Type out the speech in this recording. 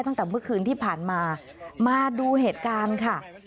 ตั้งแต่เมื่อคืนที่ผ่านมามาดูเหตุการณ์ค่ะ